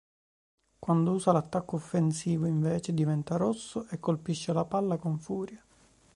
Quando usa l'attacco offensivo, invece, diventa rosso e colpisce la palla con furia.